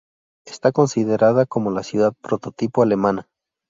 Está considerada como la ciudad prototipo alemana.